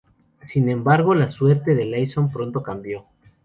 Sin embargo, la suerte de Leeson pronto cambió.